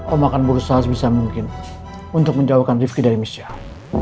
om akan berusaha sebisa mungkin untuk menjauhkan rifki dari michelle